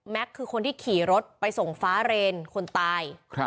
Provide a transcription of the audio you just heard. คือคนที่ขี่รถไปส่งฟ้าเรนคนตาย